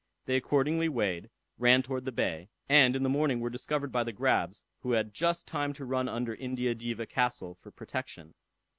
They accordingly weighed, ran towards the bay, and in the morning were discovered by the grabs, who had just time to run under India Diva castle for protection.